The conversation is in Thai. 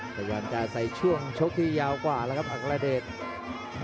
พยายามจะใส่ช่วงชกที่ยาวกว่าแล้วครับอัครเดช